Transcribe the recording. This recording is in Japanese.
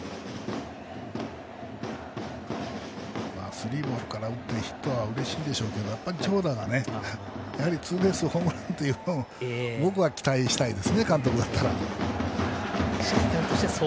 スリーボールから打ってヒットはうれしいでしょうけどホームランを僕は期待したいです監督だったら。